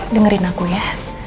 dengerin aku ya